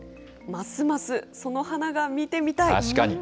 ますますその花が見てみたい。